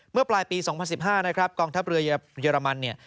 เมื่อปลายปี๒๐๑๕กองทัพเรือเยอรมนี